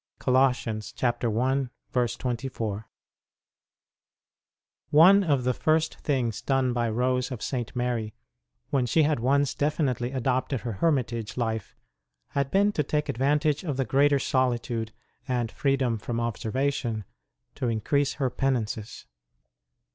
Col. i. 24. |NE of the first things done by Rose of St. Mary when she had once definitely adopted her hermitage life had been to take advantage of the greater solitude and free dom from observation to increase her penances.